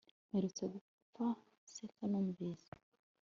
Mperutse gupfa nseka numvise